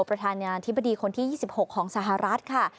ประธานาธิบดีคนที่๒๖ของสหรัฐค่ะ